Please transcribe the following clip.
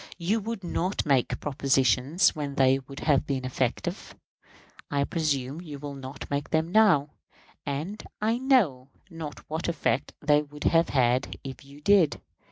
You would not make propositions when they would have been effective. I presume you will not make them now; and I know not what effect they would have if you did.